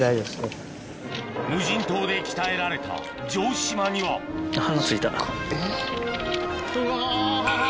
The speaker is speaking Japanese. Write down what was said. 無人島で鍛えられた城島にはうわぁハハ。